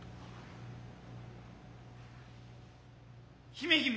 姫君。